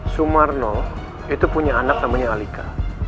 sumarno itu punya anak namanya alika